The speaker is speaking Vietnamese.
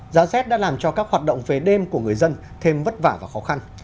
giá rét đã làm cho các hoạt động về đêm của người dân thêm vất vả và khó khăn